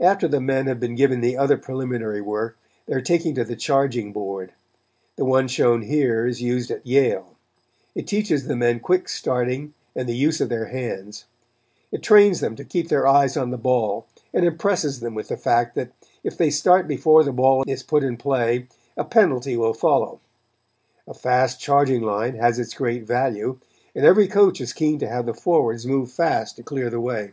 After the men have been given the other preliminary work they are taken to the charging board. The one shown here is used at Yale. It teaches the men quick starting and the use of their hands. It trains them to keep their eyes on the ball and impresses them with the fact that if they start before the ball is put in play, a penalty will follow. A fast charging line has its great value, and every coach is keen to have the forwards move fast to clear the way.